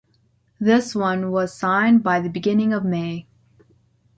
This one was signed by the beginning of May.